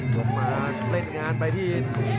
ชกมาเล่นงานไปที่